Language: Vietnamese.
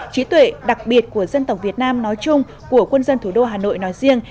trí tuệ đặc biệt của dân tộc việt nam nói chung của quân dân thủ đô hà nội nói riêng